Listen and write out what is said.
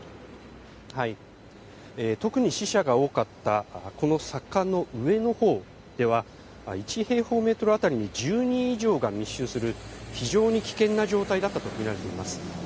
特に死者が多かったこの坂の上のほうでは、１平方メートル当たりに１０人以上が密集する非常に危険な状態だったと見られています。